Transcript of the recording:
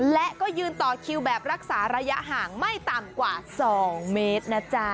และก็ยืนต่อคิวแบบรักษาระยะห่างไม่ต่ำกว่า๒เมตรนะจ๊ะ